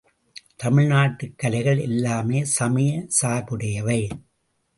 தமிழ்நாட்டுக் கலைகள் எல்லாமே சமயச் சார்புடையவை.